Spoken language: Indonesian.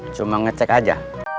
cuma ngecek aja